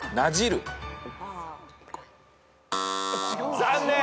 残念！